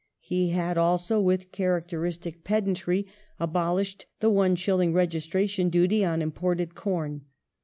He had also, with characteristic pedantry, abolished the one shilling registration duty on imported corn.